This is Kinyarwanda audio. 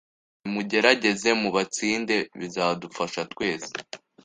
nimugerageze mubatsinde bizadufasha twese